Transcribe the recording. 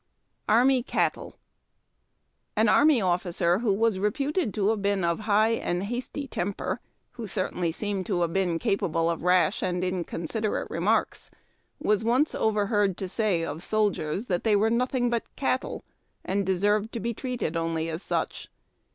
ARMY CATTLE. An army officer who was reputed to have been of high and hasty temper, who certainly seemed to have been capa ble of rash and inconsiderate remarks, was once overheard to say of soldiers that they were nothing but cattle, ajid de served to be treated only as such.